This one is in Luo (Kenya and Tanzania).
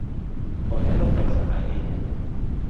Ohero pesa ahinya